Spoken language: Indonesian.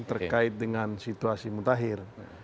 terkait dengan situasi mutakhir